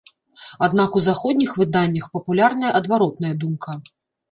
Аднак у заходніх выданнях папулярная адваротная думка.